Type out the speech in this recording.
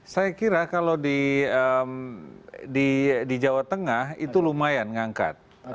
saya kira kalau di jawa tengah itu lumayan ngangkat